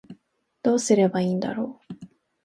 どうすればいいんだろう